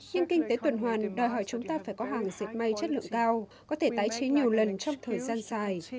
nhưng kinh tế tuần hoàn đòi hỏi chúng ta phải có hàng diệt may chất lượng cao có thể tái chế nhiều lần trong thời gian dài